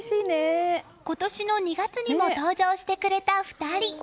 今年の２月にも登場してくれた２人。